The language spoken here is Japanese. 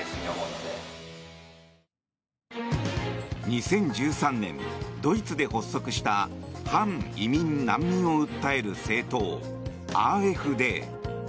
２０１３年ドイツで発足した反移民・難民を訴える政党ＡｆＤ。